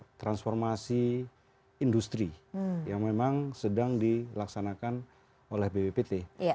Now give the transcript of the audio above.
untuk transformasi industri yang memang sedang dilaksanakan oleh bppt